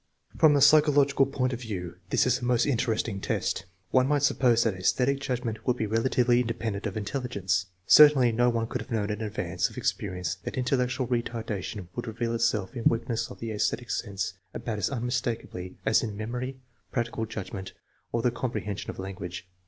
From the psychological point of view this is a most interesting test. One might suppose that aesthetic judgment would be relatively independent of intelligence. Certainly no one could have known in advance of experience that intellectual retardation would reveal itself in weak ness of the aesthetic sense about as unmistakably as in memory, practical judgment, or the comprehension of language.